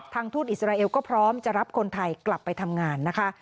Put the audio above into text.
ทูตอิสราเอลก็พร้อมจะรับคนไทยกลับไปทำงานนะคะ